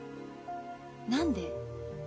何で？